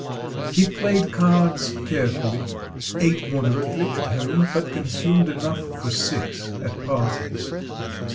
He played cards carefully; ate moderately at home, but consumed enough for six at parties.